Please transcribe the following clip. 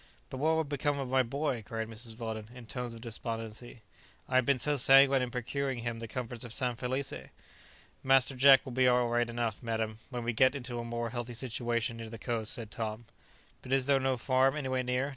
"But what will become of my boy?" cried Mrs. Weldon, in tones of despondency; "I have been so sanguine in procuring him the comforts of San Felice." "Master Jack will be all right enough, madam, when we get into a more healthy situation near the coast," said Tom. "But is there no farm anywhere near?